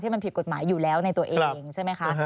มันผิดกฎหมายอยู่แล้วในตัวเองใช่ไหมคะ